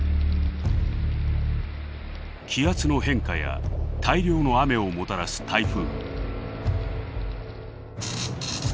「気圧の変化」や「大量の雨」をもたらす台風。